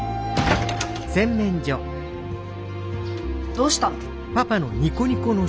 どうしたの？